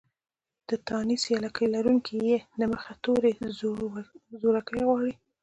د تانيث يا لکۍ لرونکې ۍ د مخه توری زورکی غواړي.